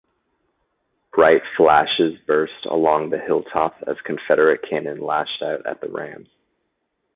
Bright flashes burst along the hilltops as Confederate cannon lashed out at the rams.